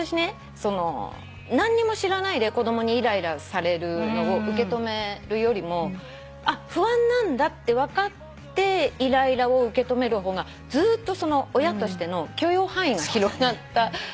何にも知らないで子供にイライラされるのを受け止めるよりもあっ不安なんだって分かってイライラを受け止める方が親としての許容範囲が広がったのね。